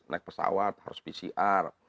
naik pesawat harus pcr